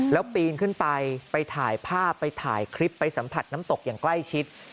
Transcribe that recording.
แล้วปีนขึ้นไปไปถ่ายภาพไปถ่ายคลิปไปสัมผัสน้ำตกอย่างใกล้ชิด